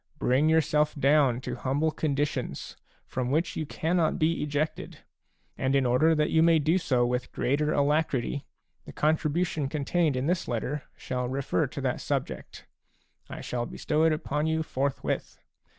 Bring yourself down to humble conditions, from which you cannot be ejected ; and in order that you may do so with greater alacrity, the contribution contained in this letter shall refer to that subject ; I shall bestow it upon you forthwith.